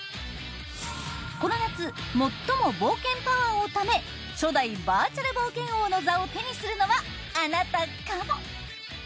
この夏、最も冒険パワーをため初代バーチャル冒険王の座を手にするのは、あなたかも！